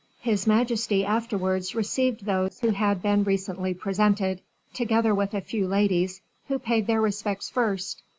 His majesty afterwards received those who had been recently presented, together with a few ladies, who paid their respects first.